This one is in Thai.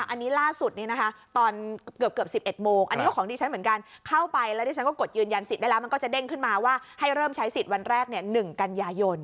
อันนี้ล่าสุดนี้นะคะตอนเกือบ๑๑โมงอันนี้ก็ของดิฉันเหมือนกันเข้าไปแล้วดิฉันก็กดยืนยันสิทธิ์ได้แล้วมันก็จะเด้งขึ้นมาว่าให้เริ่มใช้สิทธิ์วันแรก๑กันยายน